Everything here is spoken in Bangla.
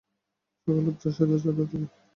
সকলে প্রাসাদের ছাদে উঠিলেন।